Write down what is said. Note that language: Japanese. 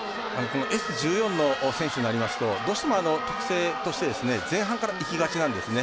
Ｓ１４の選手になりますとどうしても特性として前半からいきがちなんですね。